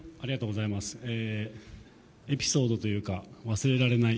エピソードというか忘れられない